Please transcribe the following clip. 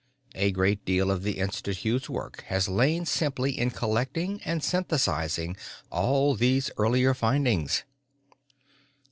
A great deal of the Institute's work has lain simply in collecting and synthesizing all these earlier findings."